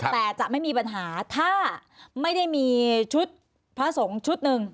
แต่จะไม่มีปัญหาถ้าไม่ได้มีชุดพระสงฆ์ชุดหนึ่ง